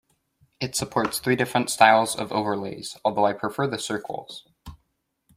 It supports three different styles of overlays, although I prefer the circles.